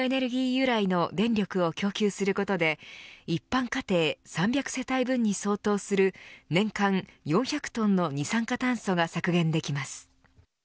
由来の電力を供給することで一般家庭３００世帯分に相当する年間４００トンの二酸化炭素が削減できます。